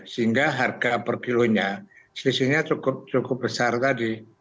sehingga harga per kilonya selisihnya cukup besar tadi